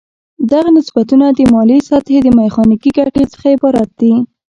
دغه نسبتونه د مایلې سطحې د میخانیکي ګټې څخه عبارت دي.